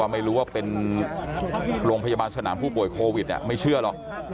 ไม่รู้ว่าเป็นโรงพยาบาลสนามผู้ป่วยโควิดไม่เชื่อหรอก